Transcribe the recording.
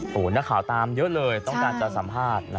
โอ้โหนักข่าวตามเยอะเลยต้องการจะสัมภาษณ์